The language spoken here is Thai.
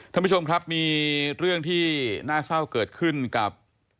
ท่านผู้ชมครับมีเรื่องที่น่าเศร้าเกิดขึ้นกับ